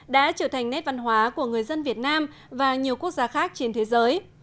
đã trở thành nét văn hóa của người dân việt nam và nhiều quốc gia khác trên thế giới